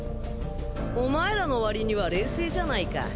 お前らのわりには冷静じゃないか。